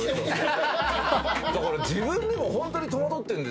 だから自分でもホントに戸惑ってるんですよ。